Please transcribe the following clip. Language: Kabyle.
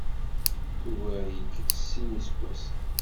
Tugar-ik s sin n yiseggasen.